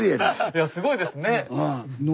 いやすごいですね。